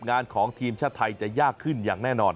งานของทีมชาติไทยจะยากขึ้นอย่างแน่นอน